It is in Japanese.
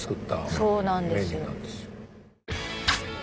そうなんです。